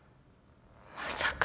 まさか。